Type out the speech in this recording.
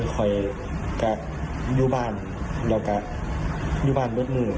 คอยอยู่บ้านอยู่บ้านรถมือ